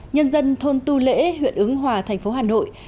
nhân dân thôn tu lễ huyện ứng hòa thành phố hà nội